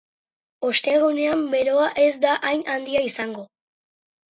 Ostegunean beroa ez da hain handia izango.